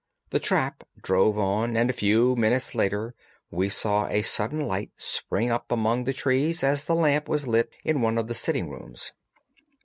The trap drove on, and a few minutes later we saw a sudden light spring up among the trees as the lamp was lit in one of the sitting rooms.